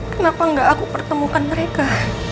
kenapa nggak aku pertemukan mereka